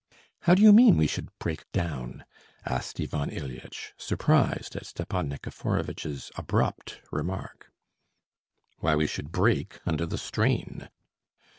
"How do you mean we should break down?" asked Ivan Ilyitch, surprised at Stepan Nikiforovitch's abrupt remark. "Why, we should break under the strain."